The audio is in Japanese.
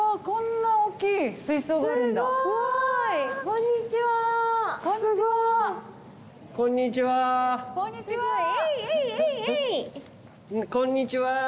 こんにちは。